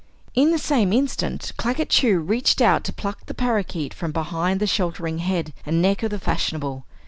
In the same instant, Claggett Chew reached out to pluck the parakeet from behind the sheltering head and neck of "the fashionable."